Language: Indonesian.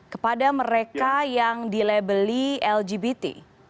kepada mereka yang dilabeli lgbt